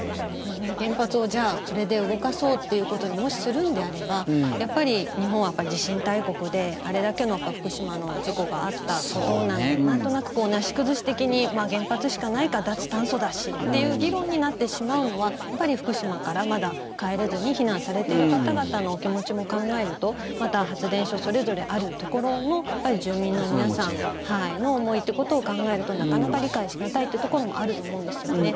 原発を、じゃあそれで動かそうということにもしするのであればやっぱり日本は地震大国であれだけの福島の事故があったなんとなく、なし崩し的に原発しかないか、脱炭素だしという議論になってしまうのはやっぱり福島からまだ帰れずに避難されている方々のお気持ちも考えるとまた発電所それぞれあるところの住民の皆さんの思いということを考えるとなかなか理解し難いというところもあると思うんですよね。